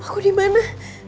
aku di mana